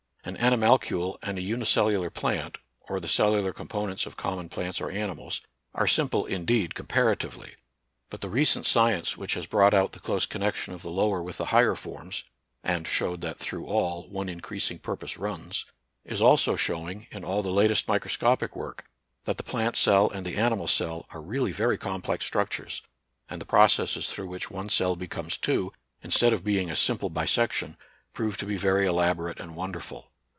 An animalcule and a unicellular plant, or the cel lular components of common plants or animals, are simple indeed, comparatively. But the recent science which has brought out the close connec tion of the lower with the higher forms (and showed that through all " one increasing purpose runs") is also showing, in all the latest micro scopic work, that the plant cell and the animal cell are really very complex structures, and the processes through which one cell becomes two, instead of being a simple bisection, prove to be very elaborate and wonderful.